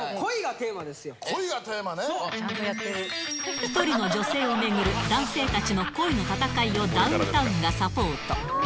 １人の女性を巡る、男性たちの恋の戦いをダウンタウンがサポート。